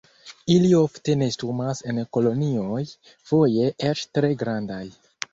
Ili ofte nestumas en kolonioj, foje eĉ tre grandaj.